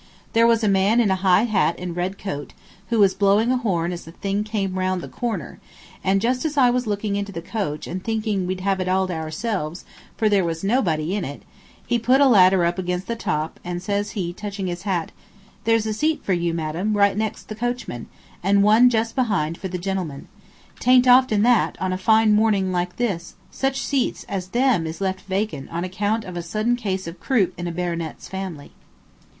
There was a man in a high hat and red coat, who was blowing a horn as the thing came around the corner, and just as I was looking into the coach and thinking we'd have it all to ourselves, for there was nobody in it, he put a ladder up against the top, and says he, touching his hat, "There's a seat for you, madam, right next the coachman, and one just behind for the gentleman. 'Tain't often that, on a fine morning like this, such seats as them is left vacant on account of a sudden case of croup in a baronet's family."